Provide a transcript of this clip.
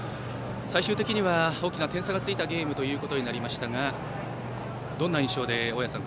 最終的には大きな点差がついたゲームとなりましたがどんな印象で、大矢さん